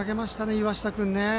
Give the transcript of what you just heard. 岩下君ね。